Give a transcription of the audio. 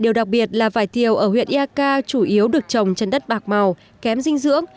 điều đặc biệt là vải thiều ở huyện iaka chủ yếu được trồng trên đất bạc màu kém dinh dưỡng